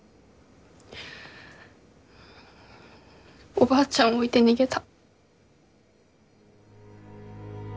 おばあちゃんを置いて逃げた。